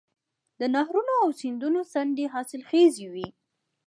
د نهرونو او سیندونو څنډې حاصلخیزې وي.